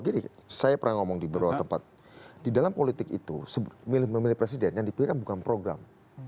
gini saya pernah ngomong di beberapa tempat di dalam politik itu memilih presiden yang dipilih kan bukan program